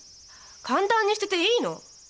簡単に捨てていいの？